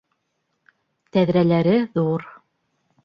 Тәҙрәләре ҙур